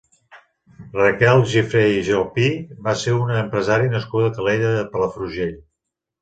Raquel Gifre i Gelpí va ser una empresària nascuda a Calella de Palafrugell.